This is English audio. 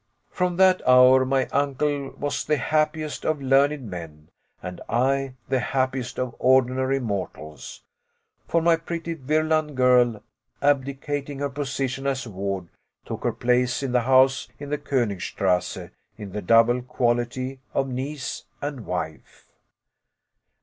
From that hour my uncle was the happiest of learned men, and I the happiest of ordinary mortals. For my pretty Virland girl, abdicating her position as ward, took her place in the house in the Konigstrasse in the double quality of niece and wife.